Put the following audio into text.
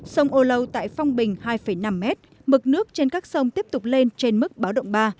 sông ô lâu tại phong bình hai năm mét mực nước trên các sông tiếp tục lên trên mức bão động ba